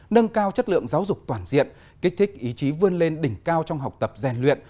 nâng cao chất lượng giáo dục toàn diện kích thích ý chí vươn lên đỉnh cao trong học tập rèn luyện